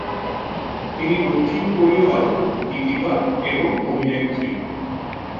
তিনি দক্ষিণ কোরীয় গায়ক, গীতিকার এবং অভিনেত্রী।